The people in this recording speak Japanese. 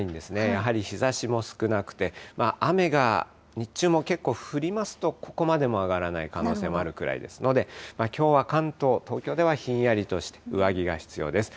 やはり日ざしも少なくて、雨が日中も結構、降りますと、ここまでも上がらない可能性もあるくらいですので、きょうは関東、東京ではひんやりとして、上着が必要です。